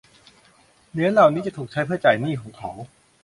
เหรียญเหล่านี้จะถูกใช้เพื่อจ่ายหนี้ของเขา